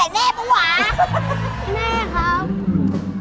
แน่ครับ